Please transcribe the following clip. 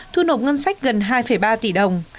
thu nộp ngân sách gần hai ba tỷ đồng